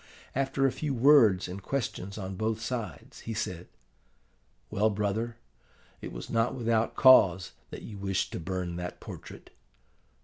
After a few words and questions on both sides, he said, 'Well, brother, it was not without cause that you wished to burn that portrait.